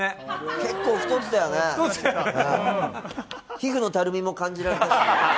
結構太ってたよね、皮膚のたるみも感じられたし。